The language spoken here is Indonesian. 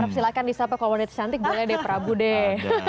silahkan disapa kalau wanita cantik boleh deh prabu deh